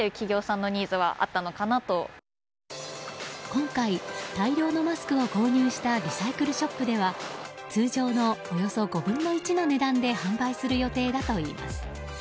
今回、大量のマスクを購入したリサイクルショップでは通常のおよそ５分の１の値段で販売する予定だといいます。